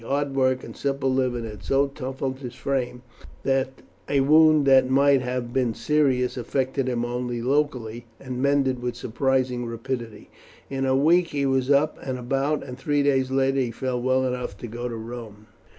Hard work and simple living had so toughened his frame that a wound that might have been serious affected him only locally, and mended with surprising rapidity. In a week he was up and about, and three days later he felt well enough to go to Rome.